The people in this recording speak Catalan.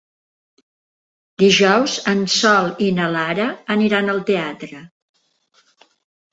Dijous en Sol i na Lara aniran al teatre.